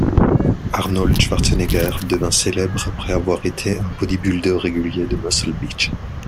Arnold Schwarzenegger devint célèbre après avoir été un bodybuilder régulier de Muscle Beach.